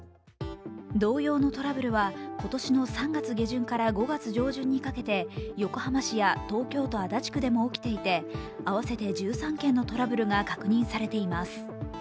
同様のトラブルは今年の３月下旬から５月上旬にかけて横浜市や東京都足立区でも起きていて合わせて１３件のトラブルが確認されています。